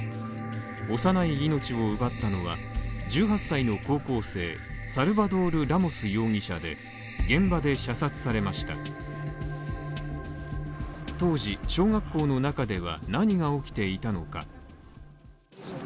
幼い命を奪ったのは１８歳の高校生サルバドール・ラモス容疑者で、現場で射殺されました当時小学校の中では何が起きていたのか。